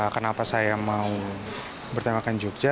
kenapa saya mau bertemakan jogja